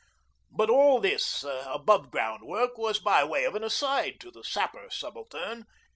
But all this above ground work was by way of an aside to the Sapper Subaltern.